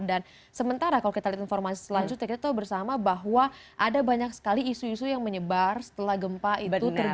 dan sementara kalau kita lihat informasi selanjutnya kita tahu bersama bahwa ada banyak sekali isu isu yang menyebar setelah gempa itu terjadi